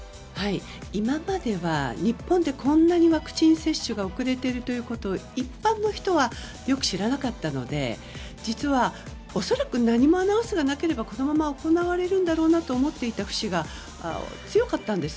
今までは日本でこんなにワクチン接種が遅れていることを一般の人はよく知らなかったので実は恐らく何もアナウンスがなければこのまま行われるんだろうなと思っていた節が強かったんです。